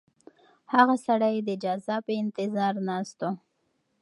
هغه سړی د جزا په انتظار ناست و.